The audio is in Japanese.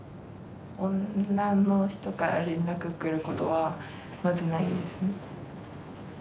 女の人から連絡来ることはまずないです。